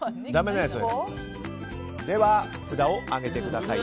では札を上げてください。